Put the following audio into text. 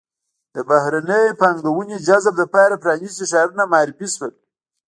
د بهرنۍ پانګونې جذب لپاره پرانیستي ښارونه معرفي شول.